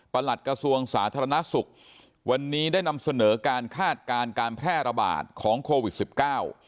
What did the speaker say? หลัดกระทรวงสาธารณสุขวันนี้ได้นำเสนอการคาดการณ์การแพร่ระบาดของโควิดสิบเก้า